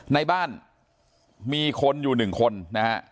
ในบ้านมีคนอยู่๑คนนะครับ